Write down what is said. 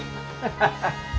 ハハハ。